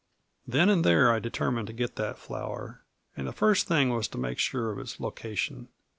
Then and there I determined to get that flower, and the first thing was to make sure of its location.